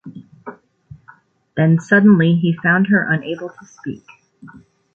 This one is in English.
Then suddenly he found her unable to speak.